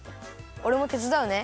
おれもてつだうね。